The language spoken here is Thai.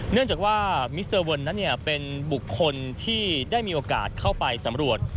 เนื่องจากว่ามิสเตอร์เวิร์นนั้นเป็นบุคคลที่ได้มีโอกาสเข้าไปสำรวจ